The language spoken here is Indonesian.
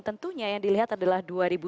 tentunya yang dilihat adalah dua ribu dua puluh